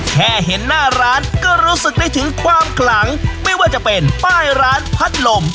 แค่เห็นหน้าร้านก็รู้สึกได้ถึงความขลังไม่ว่าจะเป็นป้ายร้านพัดลม